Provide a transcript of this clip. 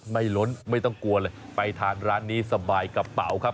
ล้นไม่ต้องกลัวเลยไปทานร้านนี้สบายกระเป๋าครับ